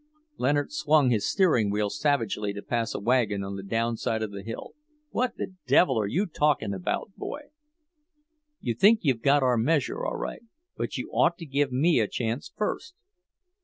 Leonard swung his steering wheel savagely to pass a wagon on the down side of the hill. "What the devil are you talking about, boy?" "You think you've got our measure all right, but you ought to give me a chance first."